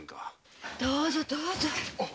どうぞどうぞ。